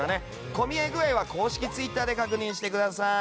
混み合い具合は公式ツイッターで確認してください。